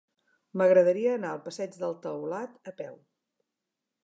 M'agradaria anar al passeig del Taulat a peu.